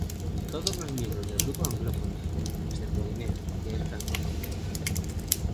Todos los miembros del grupo anglófonos, excepto Guinea, que es francófono.